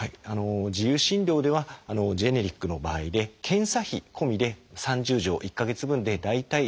自由診療ではジェネリックの場合で検査費込みで３０錠１か月分で大体１万円程度で処方されてます。